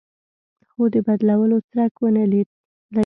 خو د بدلون څرک ونه لګېد.